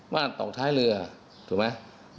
บ้านตกท้ายเรือถูกไหม